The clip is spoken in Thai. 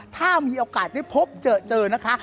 ถ้ามีโอกาสได้พบเจอนะคะ